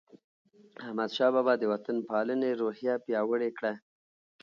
احمدشاه بابا د وطن پالنې روحیه پیاوړې کړه.